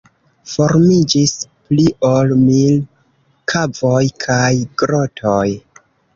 Formiĝis pli ol mil kavoj kaj grotoj.